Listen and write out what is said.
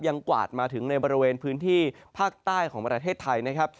กวาดมาถึงในบริเวณพื้นที่ภาคใต้ของประเทศไทยนะครับ